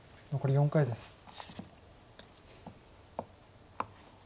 残り４回です。